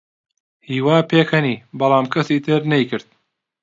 هیوا پێکەنی، بەڵام کەسی تر نەیکرد.